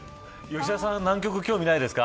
吉沢さんは南極興味ないですか。